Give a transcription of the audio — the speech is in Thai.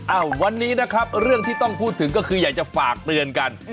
วันนี้นะครับเรื่องที่ต้องพูดถึงก็คืออยากจะฝากเตือนกัน